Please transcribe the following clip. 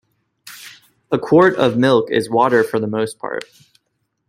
A quart of milk is water for the most part.